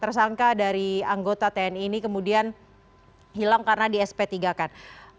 tersangka dari anggota tni ini kemudian hilang karena di sp tiga kan